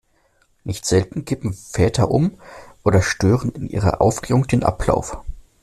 Nicht selten kippen Väter um oder stören in ihrer Aufregung den Ablauf.